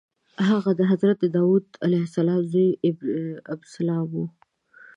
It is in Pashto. هغه د حضرت داود علیه السلام زوی ابسلام و.